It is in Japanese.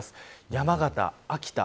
山形、秋田